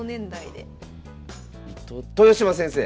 豊島先生！